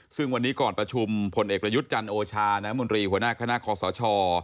ซึ่งวันนี้ก่อนประชุมพลเอกประยุทธ์จันทร์โอชาน้ำมนตรีหัวหน้าคณะคอสช